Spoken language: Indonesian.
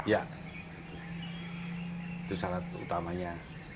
iya itu syarat utamanya